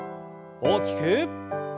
大きく。